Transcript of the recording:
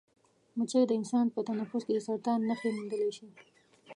مچۍ د انسان په تنفس کې د سرطان نښې موندلی شي.